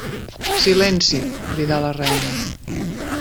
Silenci! —cridà la reina—.